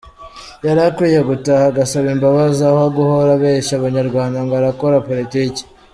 Yari akwiye gutaha agasaba imbabazi aho guhora abeshya abanyarwanda ngo arakora politiki.